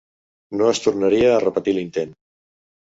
No es tornaria a repetir l'intent.